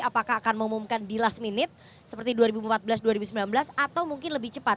apakah akan mengumumkan di last minute seperti dua ribu empat belas dua ribu sembilan belas atau mungkin lebih cepat